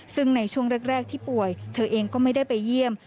ซึ่งในช่วงแรกที่ป่วยเธอเองก็ไม่ได้ไปเยี่ยม